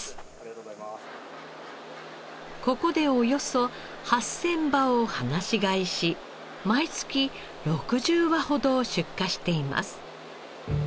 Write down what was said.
ここでおよそ８０００羽を放し飼いし毎月６０羽ほど出荷しています。